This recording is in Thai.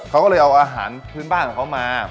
เขาก็เลยเอาอาหารพื้นบ้านของเขามา